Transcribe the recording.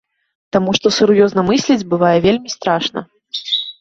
Таму што сур'ёзна мысліць бывае вельмі страшна.